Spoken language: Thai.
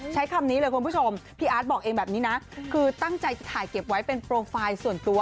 ใช้คำนี้เลยคุณผู้ชมพี่อาร์ตบอกเองแบบนี้นะคือตั้งใจจะถ่ายเก็บไว้เป็นโปรไฟล์ส่วนตัว